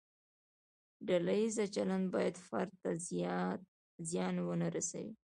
ډله ییز چلند باید فرد ته زیان ونه رسوي.